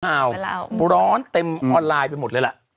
ร้อนเต็มออนไลน์ไปหมดเลยล่ะ